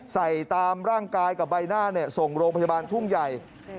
ใส่ตามร่างกายกับใบหน้าส่งโรงพยาบาลทุ่งใหญ่